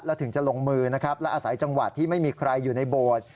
แล้วถึงจะลงมือนะครับและอาศัยจังหวัดที่ไม่มีใครอยู่ในโบสถ์